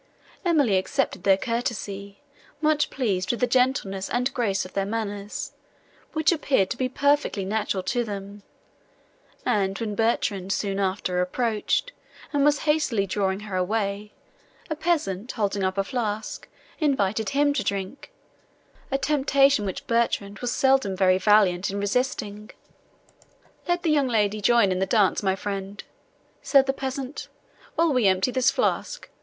Emily accepted their courtesy, much pleased with the gentleness and grace of their manners, which appeared to be perfectly natural to them; and when Bertrand, soon after, approached, and was hastily drawing her away, a peasant, holding up a flask, invited him to drink; a temptation, which Bertrand was seldom very valiant in resisting. "Let the young lady join in the dance, my friend," said the peasant, "while we empty this flask.